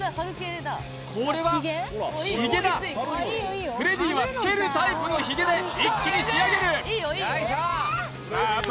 これはヒゲだフレディはつけるタイプのヒゲで一気に仕上げるさあ